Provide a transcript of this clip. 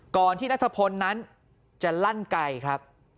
ก่อนที่นัทพลนั้นจะลั่นไกลครับ